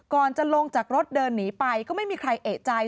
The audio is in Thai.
ก่อนจะลงจากรถเดินหนีไปก็ไม่มีใครเอกใจ